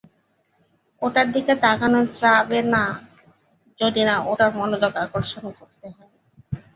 ওটার দিকে তাকানো যাবে না যদি না ওটার মনোযোগ আকর্ষণ করতে হয়।